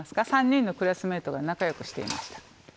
３人のクラスメートが仲良くしていました。